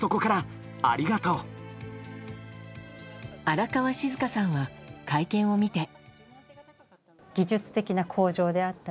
荒川静香さんは、会見を見て。